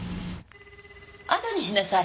あとにしなさい。